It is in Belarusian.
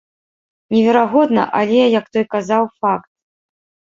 Неверагодна, але, як той казаў, факт.